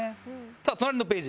さあ隣のページ。